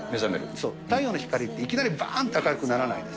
そう、太陽の光って、いきなりばーんって明るくならないです